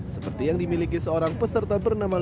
seperti yang dimiliki seorang peserta bernama